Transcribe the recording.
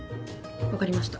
分かりました。